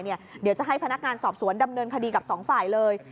เดี๋ยวจะให้พนักงานสอบสวนดำเนินคดีกับสองฝ่ายเลย